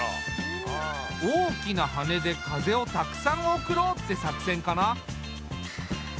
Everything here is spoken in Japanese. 大きな羽根で風をたくさん送ろうって作戦かな？